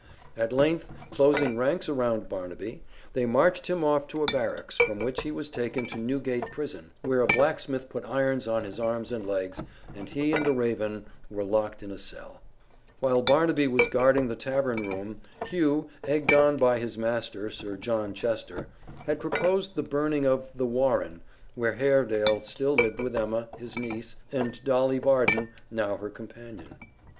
At length, closing ranks around Barnaby, they marched him off to a barracks, from which he was taken to Newgate Prison, where a blacksmith put irons on his arms and legs, and he and the raven were locked in a cell. While Barnaby was guarding the tavern room, Hugh, egged on by his master, Sir John Chester, had proposed the burning of The Warren, where Haredale still lived with Emma, his niece, and Dolly Varden, now her companion.